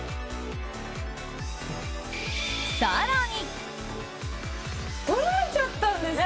更に。